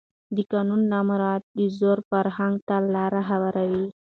د قانون نه مراعت د زور فرهنګ ته لاره هواروي